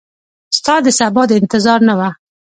ستا دسبا د انتظار نه وه